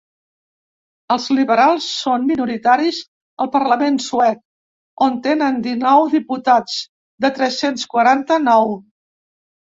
Els liberals són minoritaris al parlament suec, on tenen dinou diputats de tres-cents quaranta-nou.